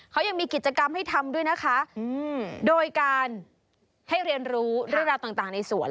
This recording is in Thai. เขายังมีกิจกรรมให้ทำด้วยนะคะโดยการให้เรียนรู้เรื่องราวต่างในสวน